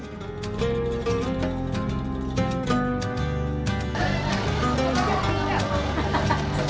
kami berkumpul dengan rizky untuk mencari makanan yang lebih enak